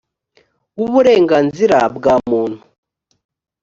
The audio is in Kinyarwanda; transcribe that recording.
w uburenganzira bwa muntu